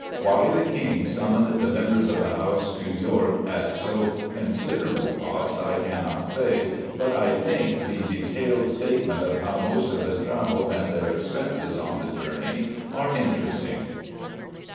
Why the king summoned the members of the House to York at so considerable cost I cannot say, but I think the detailed statement of how most of them travelled and their expenses on the journey are interesting.